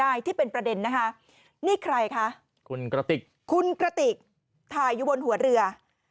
ที่เป็นประเด็นนะคะนี่ใครคะคุณกระติกคุณกระติกถ่ายอยู่บนหัวเรือ